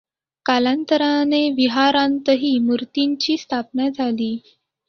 कालांतराने विहारांतही मूर्तींची स्थापना झाली.